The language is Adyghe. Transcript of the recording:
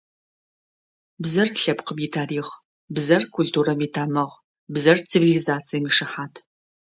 Бзэр – лъэпкъым итарихъ, бзэр культурэм итамыгъ, бзэр цивилизацием ишыхьат.